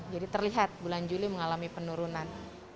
jadi terlihat bulan juli mengalami penurunan